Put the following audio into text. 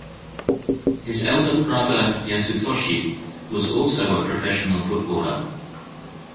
His elder brother Yasutoshi was also a professional footballer.